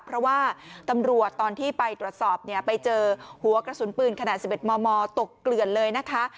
เพราะว่าตำรวจตอนที่ไปตรวจสอบเนี่ยไปเจอหัวกระสุนปืนขนาด๑๑มมตกเกลือนเลยนะคะ